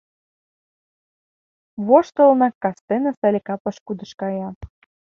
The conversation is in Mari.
Воштылынак, кастене Салика пошкудыш кая.